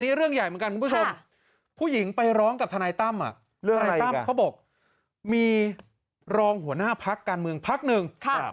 นี้เรื่องใหญ่บางกันคุณผู้ชม